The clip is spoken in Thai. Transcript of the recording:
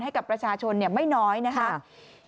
ให้กับประชาชนไม่น้อยนะครับ